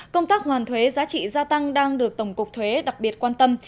công tác hoàn thuế giá trị gia tăng đang được tổng cục thuế đặc biệt quan tâm